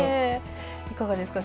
いかがですか？